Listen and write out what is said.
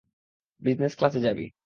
Business ক্লাসে যাবি।